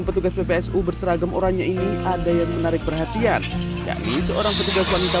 petugas ppsu berseragam oranye ini ada yang menarik perhatian yakni seorang petugas wanita